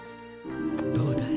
どうだい？